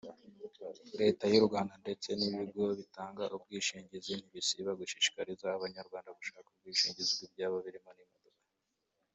Leta y’ u Rwanda ndetse n’ ibigo bitanga ubwishingizi ntibisiba gushishikariza Abanyarwanda gushaka ubwishingizi bw’ ibyabo birimo imodoka